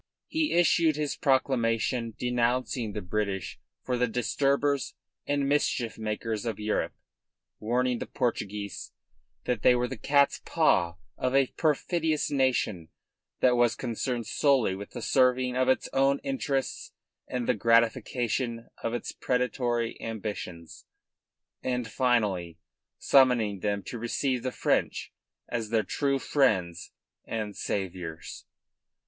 He issued his proclamation denouncing the British for the disturbers and mischief makers of Europe, warning the Portuguese that they were the cat's paw of a perfidious nation that was concerned solely with the serving of its own interests and the gratification of its predatory ambitions, and finally summoning them to receive the French as their true friends and saviours.